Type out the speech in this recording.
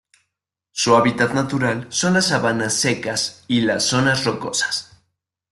Su hábitat natural son las sabanas secas y las zonas rocosas.